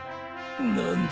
何だ？